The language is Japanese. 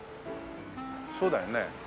そうだよね。